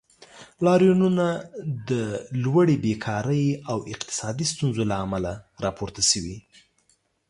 لاریونونه د لوړې بیکارۍ او اقتصادي ستونزو له امله راپورته شوي.